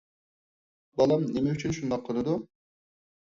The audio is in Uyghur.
بالام نېمە ئۈچۈن شۇنداق قىلىدۇ؟